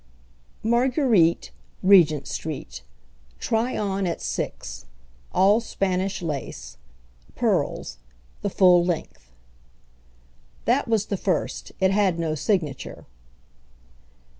"Marguerite, Regent Street. Try on at six. All Spanish lace. Pearls. The full length." That was the first; it had no signature.